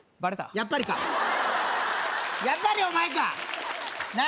やっぱりかやっぱりお前かなあ